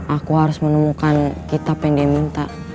aku harus menemukan kitab yang dia minta